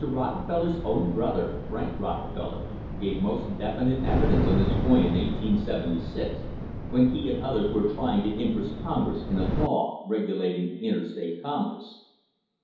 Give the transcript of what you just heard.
Rockefeller's own brother, Frank Rockefeller, gave most definite evidence on this point in 1876 when he and others were trying to interest Congress in a law regulating interstate commerce.